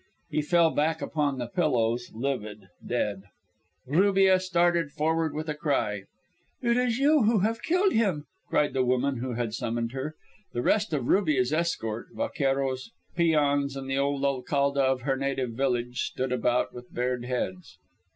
He fell back upon the pillows, livid, dead. Rubia started forward with a cry. "It is you who have killed him," cried the woman who had summoned her. The rest of Rubia's escort, vaqueros, peons, and the old alcalde of her native village, stood about with bared heads.